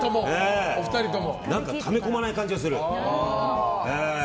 何か溜め込まない感じがする。